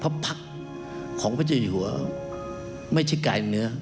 พระพรรคของพระเจ้าอยู่ว่าไม่ใช่กายเนื้อ